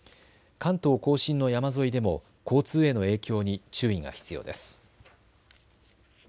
関東甲信の山沿いでも交通への影響に注意が必要です。